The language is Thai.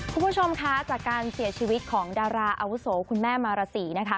คุณผู้ชมคะจากการเสียชีวิตของดาราอาวุโสคุณแม่มารสีนะคะ